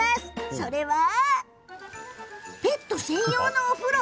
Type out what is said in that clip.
それはペット専用のお風呂。